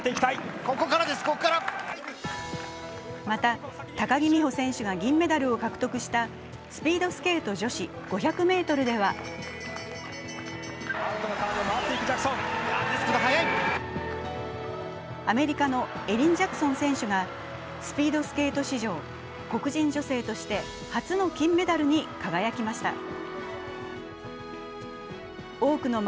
また高木美帆選手が銀メダルを獲得したスピードスケート女子５００ｍではアメリカのエリン・ジャクソン選手がスピードスケート史上、黒人女性として初の金メダルに輝きました。